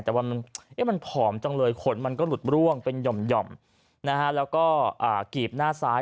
แต่ว่ามันผอมจังเลยขนมันก็หลุดร่วงเป็นหย่อมนะฮะแล้วก็กีบหน้าซ้าย